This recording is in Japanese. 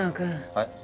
はい？